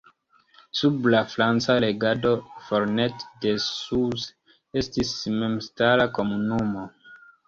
Sub la franca regado Fornet-Dessous estis memstara komunumo.